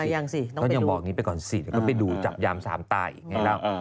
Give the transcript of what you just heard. ยังสิก็ยังบอกนี้ไปก่อนสิก็ไปดูจับยามสามตาอีกไงแล้ว